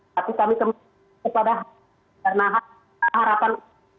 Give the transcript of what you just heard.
tapi kami kembali kepada karena harapan